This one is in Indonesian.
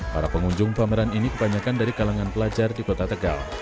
para pengunjung pameran ini kebanyakan dari kalangan pelajar di kota tegal